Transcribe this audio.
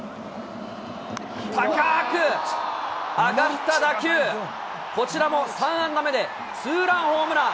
高ーく上がった打球、こちらも３安打目で、ツーランホームラン。